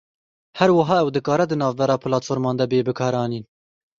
Her wiha ew dikare di navbera platforman de bê bikaranîn.